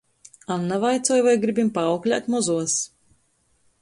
Anna vaicoj, voi gribim paauklēt mozuos.